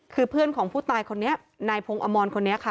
คือเพื่อนของผู้ตายคนนี้นายพงศ์อมรคนนี้ค่ะ